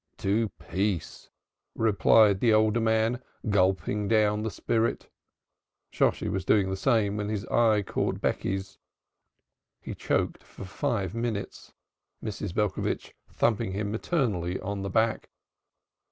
"To peace!" replied the older man, gulping down the spirit. Shosshi was doing the same, when his eye caught Becky's. He choked for five minutes, Mrs. Belcovitch thumping him maternally on the back.